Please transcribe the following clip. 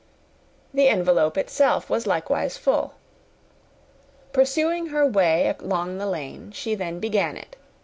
The envelope itself was likewise full. Pursuing her way along the lane, she then began it.